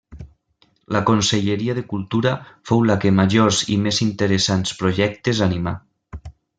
La Conselleria de Cultura fou la que majors i més interessants projectes animà.